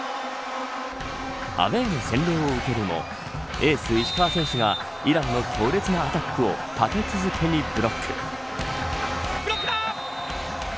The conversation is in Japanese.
アウェーの洗礼を受けるもエース石川選手がイランの強烈なアタックを立て続けにブロック。